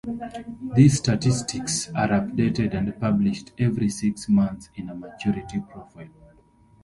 These statistics are updated and published every six months in a maturity profile.